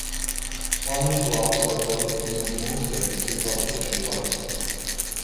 Harmony blocks are built using mostly prefabrication parts.